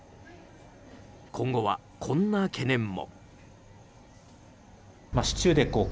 今後は、こんな懸念も。